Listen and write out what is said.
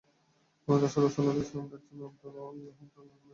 রাসূল সাল্লাল্লাহু আলাইহি ওয়াসাল্লাম ডাকছেন আল্লাহ রাব্দুল আলামীনের দিকে।